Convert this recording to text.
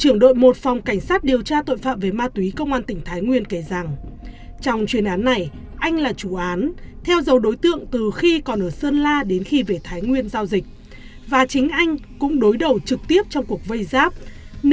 năm hai nghìn một mươi bảy phòng cảnh sát điều tra tội phạm về ma túy công an tp thái nguyên tiến hành vây bắt hai đối tượng mua bán vận chuyển ma túy từ sơn la về tp thái nguyên